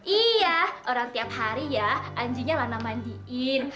iya orang tiap hari ya anjingnya lama mandiin